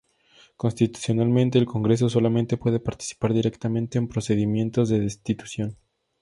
Constitucionalmente, el Congreso solamente puede participar directamente en procedimientos de destitución.